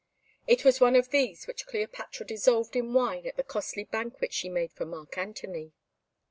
It was one of these which Cleopatra dissolved in wine at the costly banquet she made for Mark Antony.